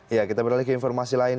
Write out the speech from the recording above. ya kita beralih ke informasi lain